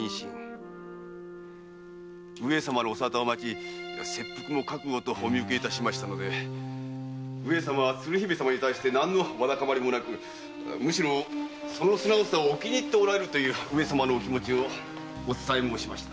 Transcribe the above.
上様のお沙汰を待ち切腹も覚悟とお見受けしましたので上様は鶴姫様に対して何のわだかまりもなくむしろ素直さを気に入っておられると上様のお気持ちをお伝えしました。